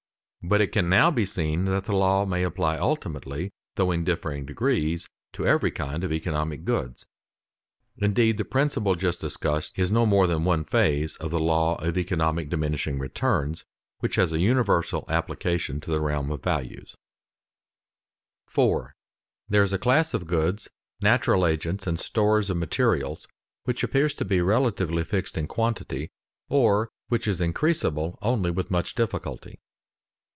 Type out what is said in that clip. But it can now be seen that the law may apply ultimately, though in differing degrees, to every kind of economic goods. Indeed, the principle just discussed is no more than one phase of the law of economic diminishing returns, which has a universal application to the realm of values. [Sidenote: Agents most nearly fixed in amount are somewhat increasable] 4. _There is a class of goods, natural agents and stores of materials which appears to be relatively fixed in quantity or which is increasable only with much difficulty.